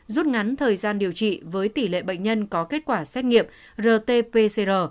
rút ngắn thời gian điều trị với tỷ lệ bệnh nhân có kết quả xét nghiệm rt pcr